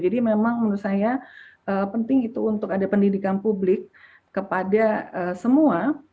jadi memang menurut saya penting itu untuk ada pendidikan publik kepada semua